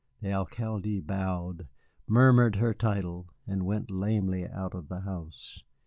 The Alcalde bowed, murmured her title, and went lamely out of the house.